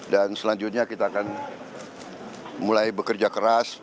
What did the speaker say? dan selanjutnya kita akan mulai bekerja keras